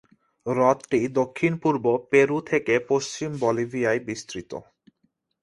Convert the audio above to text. হ্রদটি দক্ষিণ-পূর্ব পেরু থেকে পশ্চিম বলিভিয়ায় বিস্তৃত।